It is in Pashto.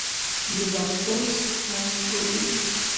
د باسفورس پل ګورې.